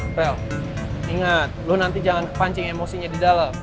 farel ingat lo nanti jangan kepancing emosinya di dalam